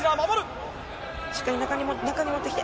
しっかり中に持ってきて。